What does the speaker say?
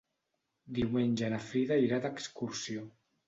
Diumenge na Frida irà d'excursió.